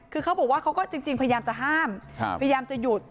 พยายามจะห้ามพยายามจะหยุด